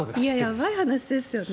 やばい話ですよね。